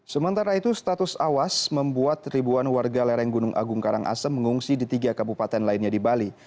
sementara itu status awas membuat ribuan warga lereng gunung agung karangasem mengungsi di tiga kabupaten lainnya di bali